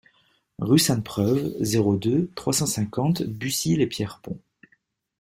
Rue Sainte-Preuve, zéro deux, trois cent cinquante Bucy-lès-Pierrepont